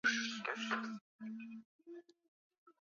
boti ya mwisho ya uokoaji ilifika katika eneo la ajali